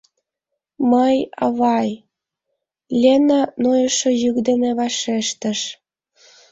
— Мый, авай, — Лена нойышо йӱк дене вашештыш.